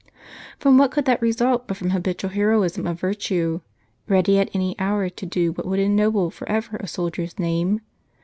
From what could that result but from habitual heroism of virtue, ready at any hour to do what would ennoble forever a soldier's name?